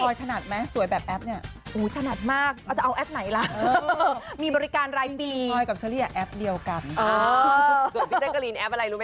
โฮยถนัดไหมสวยแบบแอปเนี่ยโอ้ยถนัดมากจะเอาแอปไหนล่ะมีบริการรายปีโฮยกับเชอรี่แอปเดียวกัน